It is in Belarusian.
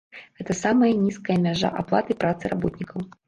Гэта самая нізкая мяжа аплаты працы работнікаў.